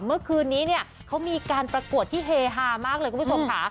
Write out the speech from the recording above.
เมื่อคืนนี้เนี่ยเขามีการประกวดที่เฮฮามากเลยคุณผู้ชมค่ะ